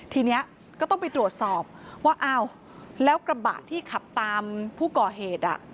ทีนี้ก็ต้องไปตรวจสอบว่าอ้าวแล้วกระบะที่ขับตามผู้ก่อเหตุ